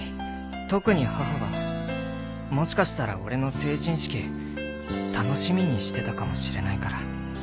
特に母はもしかしたら俺の成人式楽しみにしてたかもしれないから。